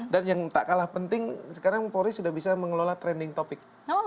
dan yang tak kalah penting sekarang pori sudah bisa mengelola trending topic